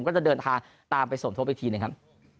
ก็จะเดินทางตามไปสมทบอีกทีหนึ่งครับ